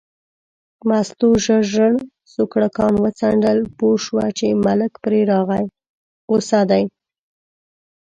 مستو ژر ژر سوکړکان وڅنډل، پوه شوه چې ملک پرې غوسه دی.